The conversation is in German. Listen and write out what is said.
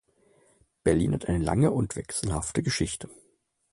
Berlin hat eine lange und wechselhafte Geschichte.